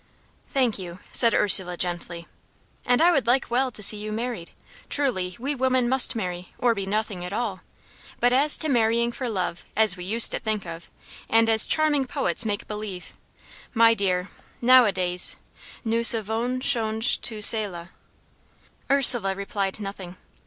"Thank you," said Ursula, gently. "And I would like well to see you married. Truly we women must marry, or be nothing at all. But as to marrying for love, as we used to think of, and as charming poets make believe my dear, now a days, nous avons change tout cela." Ursula replied nothing.